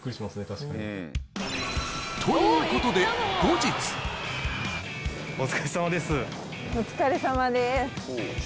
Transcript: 確かに。ということでお疲れさまです。